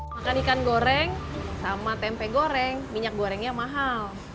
makan ikan goreng sama tempe goreng minyak gorengnya mahal